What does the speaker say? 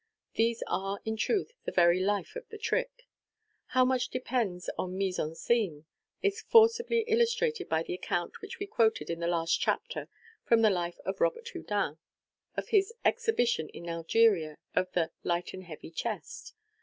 These are, in truth, the very life of the trick. How much depends on wise en scene is forcibly illustrated by the account which we quoted in the last chapter from the life of Robert Houdin, of his exhibition in Algeria of the " Light and Heavy Chest."